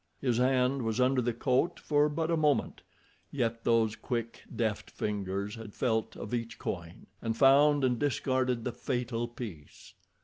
His hand was under the coat for but a moment, yet those quick, deft fingers had felt of each coin, and found and discarded the fatal piece.